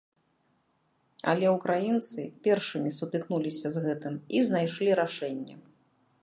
Але ўкраінцы першымі сутыкнуліся з гэтым і знайшлі рашэнне.